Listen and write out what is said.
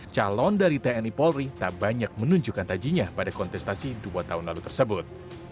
calon dari tni polri tak banyak menunjukkan tajinya pada kontestasi dua tahun lalu tersebut